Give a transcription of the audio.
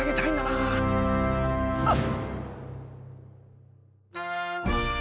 あっ。